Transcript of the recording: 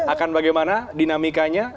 akan bagaimana dinamikanya